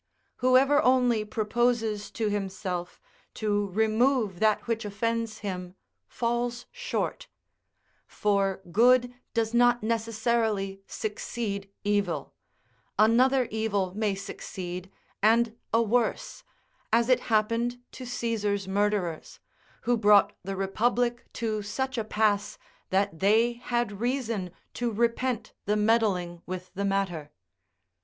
Whoever only proposes to himself to remove that which offends him, falls short: for good does not necessarily succeed evil; another evil may succeed, and a worse, as it happened to Caesar's murderers, who brought the republic to such a pass, that they had reason to repent the meddling with the matter.